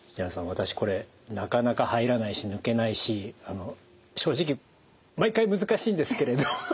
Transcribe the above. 私これなかなか入らないし抜けないし正直毎回難しいんですけれど。